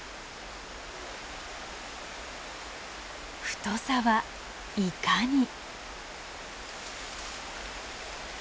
太さはいかに？